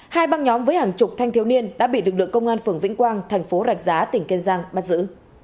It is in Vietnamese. hai băng nhóm với hàng chục thanh thiếu niên đã bị lực lượng công an phường vĩnh quang thành phố rạch giá tỉnh kiên giang bắt giữ